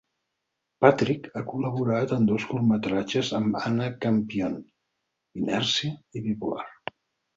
Patrick ha col·laborat en dos curtmetratges amb Anna Campion, "Inèrcia" i "Bipolar".